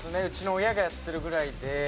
うちの親がやってるぐらいで。